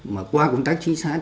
mà qua công tác chính xác